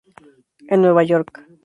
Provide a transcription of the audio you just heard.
En Nueva York.